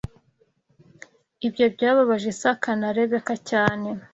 Ibyo byababaje Isaka na Rebeka cyane